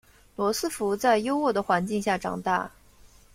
罗斯福在优渥的环境下长大。